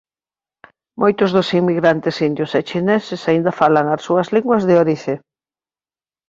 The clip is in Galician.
Moitos dos inmigrantes indios e chineses aínda falan as súas linguas de orixe.